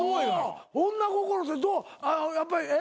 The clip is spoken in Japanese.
女心だとやっぱりえっ？